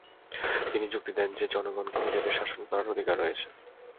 তিনি যুক্তি দেন যে জনগণকে নিজেদের শাসন করার অধিকার রয়েছে।